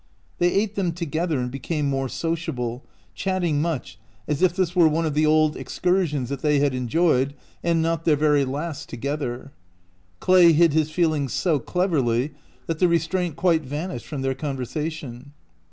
They ate them together and became more sociable, chatting much, as if this were one of the old excur 228 OUT OF BOHEMIA sions that they had enjoyed, and not their very last together. Clay hid his feelings so cleverly that the restraint quite vanished from their conversation.